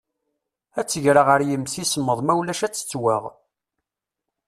Ad tt-greɣ ad yimsismeḍ ma ulac ad tettwaɣ.